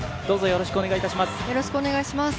よろしくお願いします